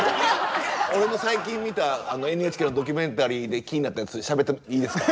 俺の最近見たＮＨＫのドキュメンタリーで気になったやつしゃべってもいいですか。